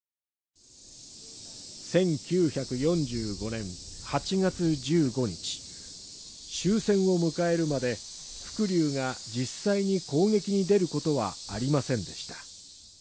１９４５年８月１５日、終戦を迎えるまで伏龍が実際に攻撃に出ることはありませんでした。